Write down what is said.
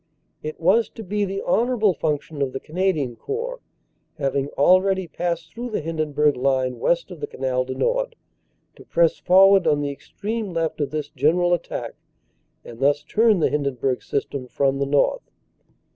It was to be the honorable function of the Canadian Corps, having already passed through the Hindenburg line west of the Canal du Nord, to press forward on the extreme left of this general attack and thus turn the Hindenburg System from the north.